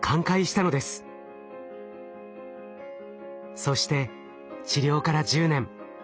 そして治療から１０年。